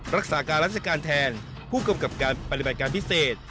รักษาการราชการแทนผู้กำกับการปฏิบัติการพิเศษ